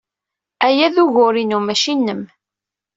Aya d ugur-inu, maci nnem.